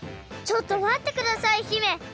ちょっとまってください姫！